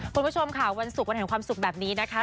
คุณผู้ชมค่ะวันศุกร์วันแห่งความสุขแบบนี้นะคะ